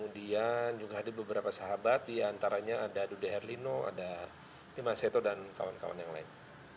dan juga hadir beberapa sahabat diantaranya ada duda herlino ada limah seto dan kawan kawan yang lain